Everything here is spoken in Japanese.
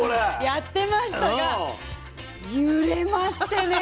やってましたが揺れましてね